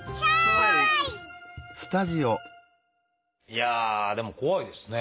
いやあでも怖いですね。